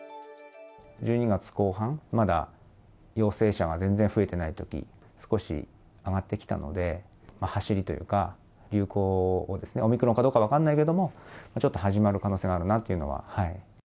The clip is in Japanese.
１２月後半、まだ陽性者が全然増えていないとき、少し、上がってきたのではしりというか流行、オミクロンかどうか分からないけれども、ちょっと始まる可能性があるなというのは。